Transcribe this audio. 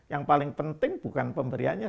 yang paling penting bukan pemberiannya